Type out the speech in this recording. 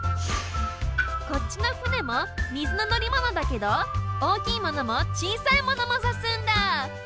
こっちの「船」もみずののりものだけどおおきいものもちいさいものもさすんだ！